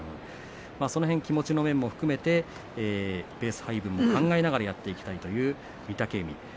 気持ちの面も含めてペース配分を考えながらやっていきたいという御嶽海です。